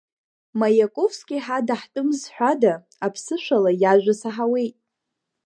Маиаковски ҳа даҳтәым зҳәада, аԥсышәала иажәа саҳауеит.